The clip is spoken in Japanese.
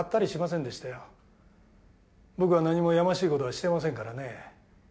僕は何もやましいことはしてませんからねえ。